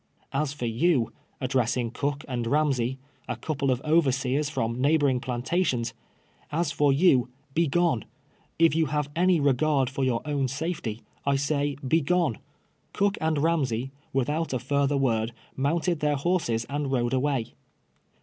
" As for you," addressing Cook and Hamsay, a couple of overseers from neighboring plantations, "as for you — begone ! If you have any regard for your own safety, I say, begone." Cook and Ramsay, without a further word, mount ed their horses and rode away.